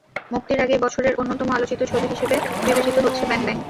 মুক্তির আগেই বছরের অন্যতম আলোচিত ছবি হিসেবে বিবেচিত হচ্ছে ব্যাং ব্যাং।